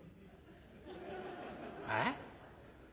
「えっ？